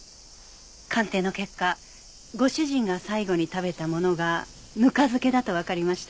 鑑定の結果ご主人が最後に食べたものがぬか漬けだとわかりました。